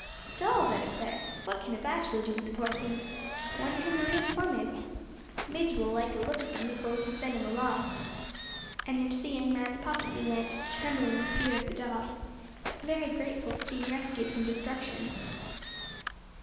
"Dolls, I declare! What can a bachelor do with the poor things? Wonder who Maria Plum is? Midge will like a look at them before we send them along;" and into the young man's pocket they went, trembling with fear of the dog, but very grateful for being rescued from destruction.